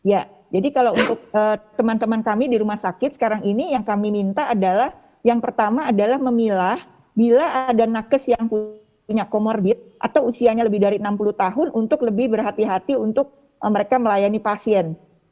ya jadi kalau untuk teman teman kami di rumah sakit sekarang ini yang kami minta adalah yang pertama adalah memilah bila ada nakes yang punya comorbid atau usianya lebih dari enam puluh tahun untuk lebih berhati hati untuk mereka melayani pasien